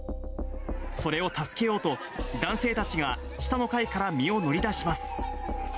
それを助けようと、男性たちが下の階から身を乗り出します。